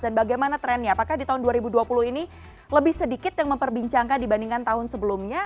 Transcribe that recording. dan bagaimana trennya apakah di tahun dua ribu dua puluh ini lebih sedikit yang memperbincangkan dibandingkan tahun sebelumnya